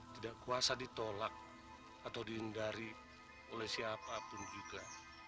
tidak kuasa ditolak atau dihindari oleh siapapun juga